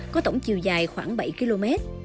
có tổng chiều dài khoảng bảy km